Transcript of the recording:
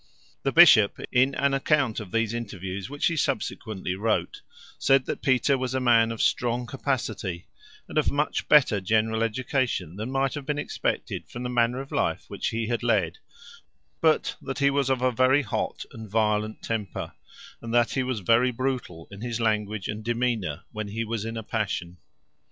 The bishop, in an account of these interviews which he subsequently wrote, said that Peter was a man of strong capacity, and of much better general education than might have been expected from the manner of life which he had led, but that he was of a very hot and violent temper, and that he was very brutal in his language and demeanor when he was in a passion.